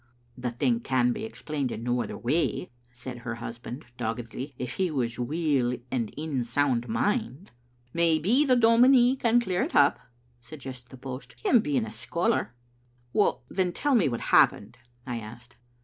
"The thing can be explained in no other way," said her husband, doggedly, " if he was weel and in sound mind." "Maybe the dominie can clear it up," suggested the post, " him being a scholar. " "Then tell me what happened," I asked.